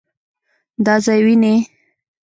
دا ځای وينې؟